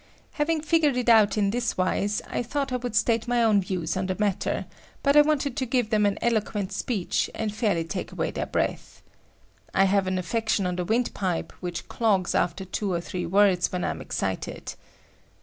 Having figured it out in this wise, I thought I would state my own views on the matter, but I wanted to give them an eloquent speech and fairly take away their breath. I have an affection of the windpipe which clog after two or three words when I am excited.